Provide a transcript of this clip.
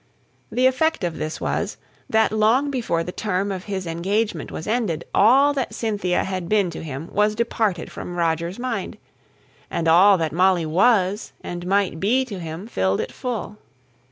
The effect of this was, that long before the term of his engagement was ended all that Cynthia had been to him was departed from Roger's mind, and all that Molly was and might be to him filled it full.